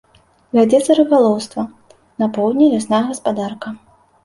Вядзецца рыбалоўства, на поўдні лясная гаспадарка.